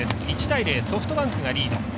１対０、ソフトバンクがリード。